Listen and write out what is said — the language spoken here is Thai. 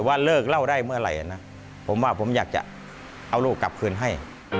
ว่าเลิกเล่าได้เมื่อไหร่นะผมว่าผมอยากจะเอาลูกกลับคืนให้